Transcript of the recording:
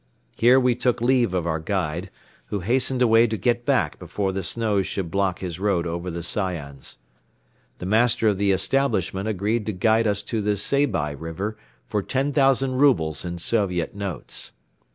Here we took leave of our guide, who hastened away to get back before the snows should block his road over the Sayans. The master of the establishment agreed to guide us to the Seybi River for ten thousand roubles in Soviet notes.